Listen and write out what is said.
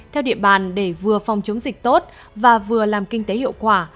theo địa bàn để vừa phòng chống dịch tốt và vừa làm kinh tế hiệu quả